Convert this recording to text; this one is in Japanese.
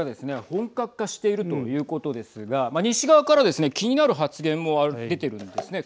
本格化しているということですが西側からですね、気になる発言も出ているんですね。